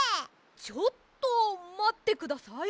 ちょっとまってください！